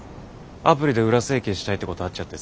アプリで裏整形したいって子と会っちゃってさ。